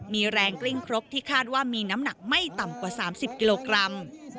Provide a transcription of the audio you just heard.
มีแรงกลิ้งครกที่คาดว่ามีน้ำหนักไม่ต่ำกว่า๓๐กิโลกรัม